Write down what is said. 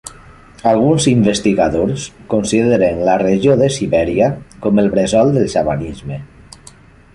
Alguns investigadors consideren la regió de Sibèria com el bressol del xamanisme.